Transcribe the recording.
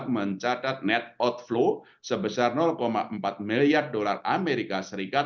mencatat net outflow sebesar empat miliar dolar amerika serikat